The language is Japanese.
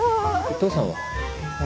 父さんは？